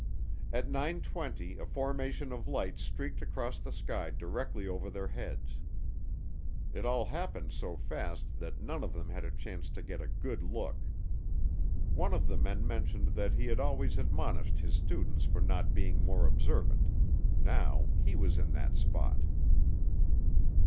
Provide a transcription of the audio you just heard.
At nine twenty a formation of lights streaked across the sky directly over their heads. It all happened so fast that none of them had a chance to get a good look. One of the men mentioned that he had always admonished his students for not being more observant; now he was in that spot.